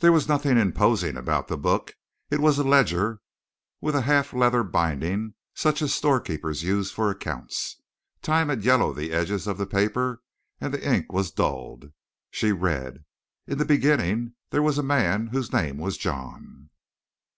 There was nothing imposing about the book. It was a ledger with a half leather binding such as storekeepers use for accounts. Time had yellowed the edges of the paper and the ink was dulled. She read: "In the beginning there was a man whose name was John."